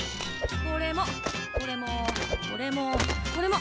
これもこれもこれもこれも。